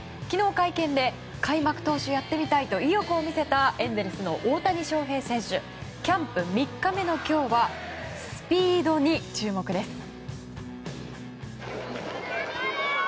昨日、会見で開幕投手をやってみたいと意欲を見せたエンゼルスの大谷翔平選手キャンプ３日目の今日はスピードに注目です。